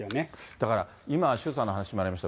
だから、今、周さんの話にもありました